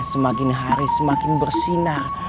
semakin hari semakin bersinar